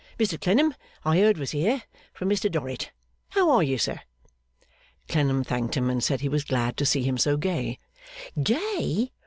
Mr Clennam I heard was here, from Mr Dorrit. How are you, Sir?' Clennam thanked him, and said he was glad to see him so gay. 'Gay!